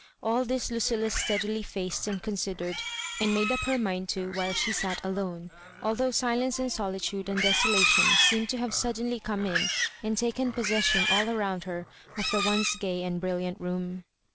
All this Lucilla steadily faced and considered and made up her mind to while she sat alone ; although silence and solitude and desolation seemed to have suddenly come in and'taken possession aU around her of the once gay and brilliant room.